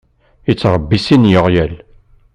Yettṛebbi sin n yiɣyal.